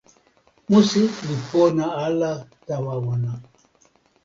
musi li pona ala tawa ona.